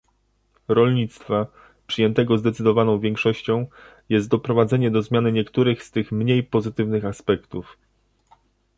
Rolnictwa, przyjętego zdecydowaną większością, jest doprowadzenie do zmiany niektórych z tych mniej pozytywnych aspektów